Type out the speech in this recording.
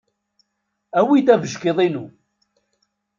Awi-d abeckiḍ-inu.